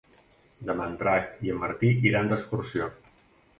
Demà en Drac i en Martí iran d'excursió.